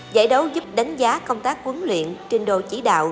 giải đấu giúp đánh giá công tác quấn luyện trên đồ chỉ đạo